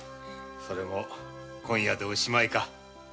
それも今夜でおしまいか。